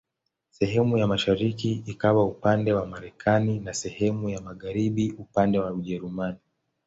Sehemu ya mashariki ikawa upande wa Marekani na sehemu ya magharibi upande wa Ujerumani.